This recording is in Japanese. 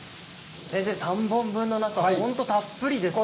先生３本分のなすはホントたっぷりですね。